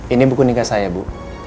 ini buku nikah saya bu